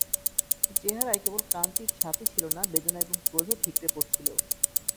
তাদের চেহারায় কেবল ক্লান্তির ছাপই ছিল না, বেদনা এবং ক্রোধও ঠিকরে পড়ছিল।